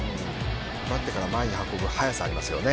奪ってから前に運ぶ速さありますよね。